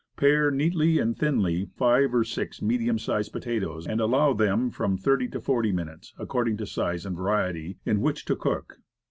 Pare neatly and thinly five or six medium sized potatoes, and allow them from thirty to forty minutes (according to size and variety), in which to cook.